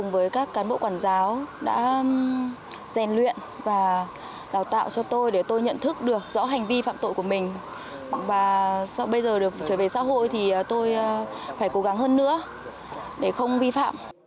và bây giờ trở về xã hội thì tôi phải cố gắng hơn nữa để không vi phạm